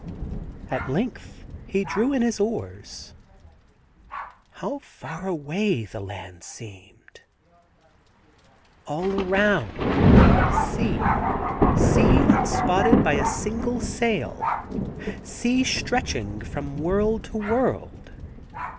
At length he drew in his oars. How far away the land seemed 1 All around, sea — sea unspotted by a single sail — sea stretching from world to world.